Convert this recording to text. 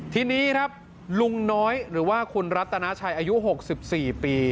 ทีนี้ครับลุงน้อยหรือว่าคุณรัตนาชัยอายุ๖๔ปี